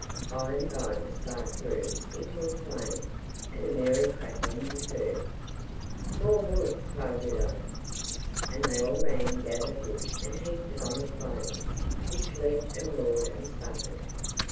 By and by the spark grew into a flame, and a merry crackling was heard. 'More wood,' cried Guddhi, and they all ran and gathered wood and heaped it on the flames, which leaped and roared and sputtered.